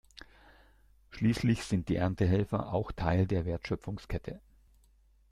Schließlich sind die Erntehelfer auch Teil der Wertschöpfungskette.